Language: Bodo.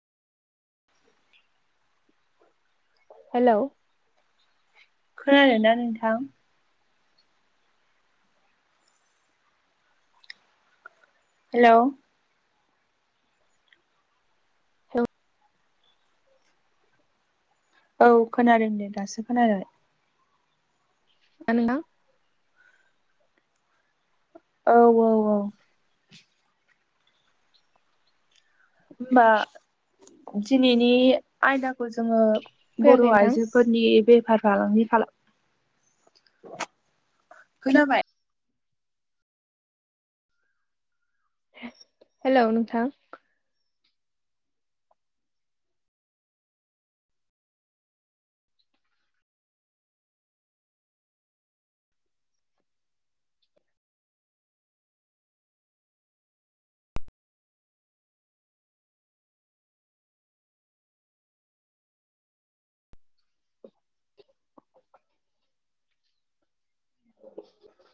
हेलौ खोनादोंना नोंथां? हेलौ औ औ खोनादों दे दासो खोनादों। [unintelligible] औ औ औ होमबा दिनैनि आयदाखौ जोङो बर' फैयाखै नोंथां आइजोफोरनि बेफ [unintelligible] खोनाबाय हेलौ नोंथां।